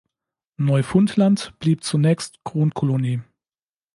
Neufundland blieb zunächst Kronkolonie.